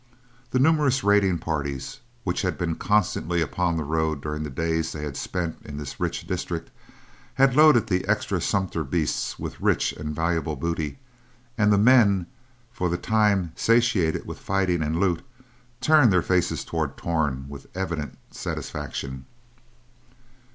The numerous raiding parties which had been constantly upon the road during the days they had spent in this rich district had loaded the extra sumpter beasts with rich and valuable booty and the men, for the time satiated with fighting and loot, turned their faces toward Torn with evident satisfaction.